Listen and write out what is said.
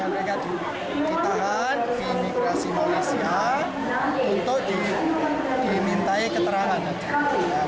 mereka ditahan di imigrasi malaysia untuk dimintai keterangan